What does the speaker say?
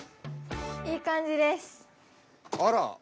いい感じです。